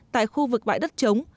tại khu vực bãi đất trống